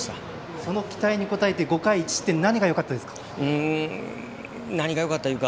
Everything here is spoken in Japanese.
その期待に応えて５回１失点何がよかったですか。